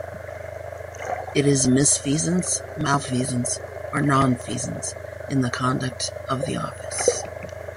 It is misfeasance, malfeasance or nonfeasance in the conduct of the office.